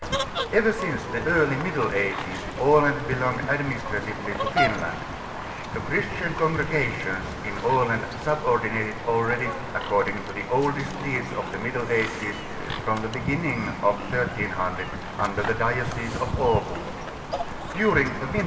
Ever since the early Middle Ages Aland belonged administratively to Finland. The christian congregations in Aland subordinated already, according to the oldest deeds of the Middle Ages, from the beginnig of 1300 under the diocese of Abo.